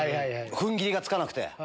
踏ん切りがつかなくて。